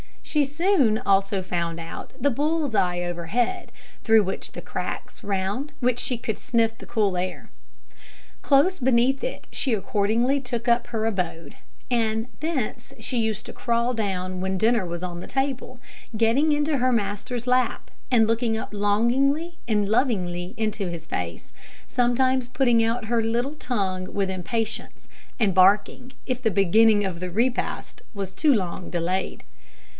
She soon also found out the bull's eye overhead, through the cracks round which she could sniff the cool air. Close beneath it she accordingly took up her abode; and thence she used to crawl down when dinner was on the table, getting into her master's lap, and looking up longingly and lovingly into his face, sometimes putting out her little tongue with impatience, and barking, if the beginning of the repast was too long delayed.